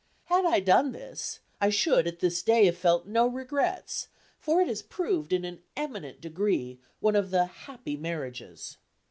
Had I done this, I should at this day have felt no regrets, for it has proved, in an eminent degree, one of the "happy marriages."